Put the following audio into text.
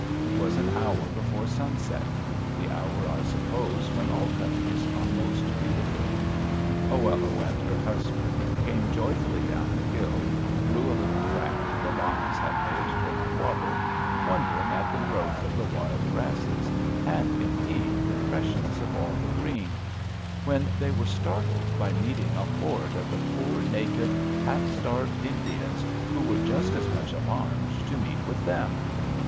It was an hour before sunset, the hour, I suppose, when all countries are most beautiful. Oello and her husband came joyfully down the hill, through a little track the llamas had made toward the water, wondering at the growth of the wild grasses, and, indeed, the freshness of all the green; when they were startled by meeting a horde of the poor, naked, half starved Indians, who were just as much alarmed to meet with them.